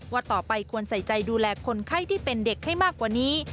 ว่าต่อไปควรใส่ใจดูแลคนไข้ที่เป็นเด็กให้มากกว่านี้